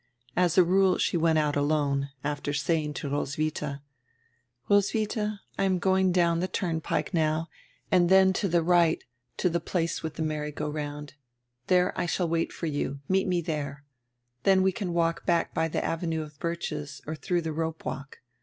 As a rule she went out alone, after saying to Roswitha: "Roswitha, I am going down die turn pike now and dien to die right to die place widi die merry go round. There I shall wait for you, meet me diere. Then we can walk back by die avenue of birches or through die ropewalk.